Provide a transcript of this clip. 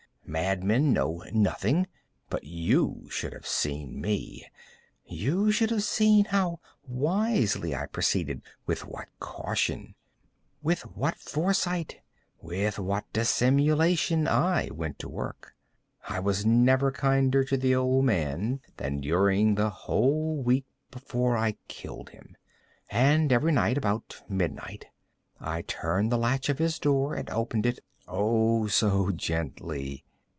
Madmen know nothing. But you should have seen me. You should have seen how wisely I proceeded—with what caution—with what foresight—with what dissimulation I went to work! I was never kinder to the old man than during the whole week before I killed him. And every night, about midnight, I turned the latch of his door and opened it—oh, so gently!